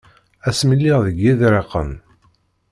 Asmi lliɣ deg Yiḍriqen.